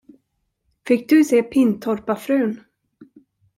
Fick du se Pintorpafrun?